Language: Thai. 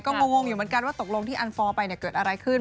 ก็งงอยู่เหมือนกันว่าตกลงที่อันฟอร์ไปเกิดอะไรขึ้น